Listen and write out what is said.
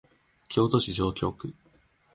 京都市上京区